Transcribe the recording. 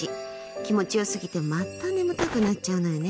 気持ち良すぎてまた眠たくなっちゃうのよね。